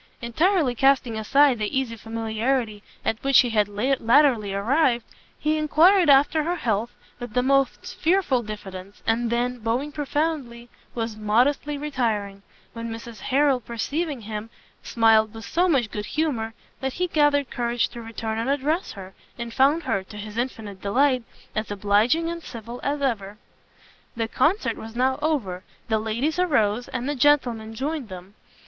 Entirely casting aside the easy familiarity at which he had latterly arrived, he enquired after her health with the most fearful diffidence, and then, bowing profoundly, was modestly retiring; when Mrs Harrel perceiving him, smiled with so much good humour, that he gathered courage to return and address her, and found her, to his infinite delight, as obliging and civil as ever. The Concert was now over; the ladies arose, and the gentlemen joined them.